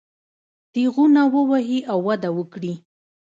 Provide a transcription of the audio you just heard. تېغونه ووهي او وده وکړي.